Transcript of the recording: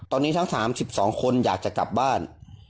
ตอนนี้ทั้ง๓๒คนอยากจะกลับบ้าน